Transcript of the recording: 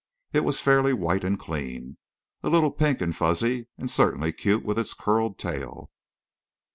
It was fairly white and clean, a little pink and fuzzy, and certainly cute with its curled tall.